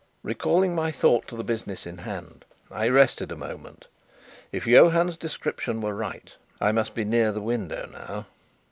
Recalling my thoughts to the business in hand, I rested a moment. If Johann's description were right, I must be near the window now.